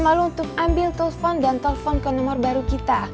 malu untuk ambil telepon dan telepon ke nomor baru kita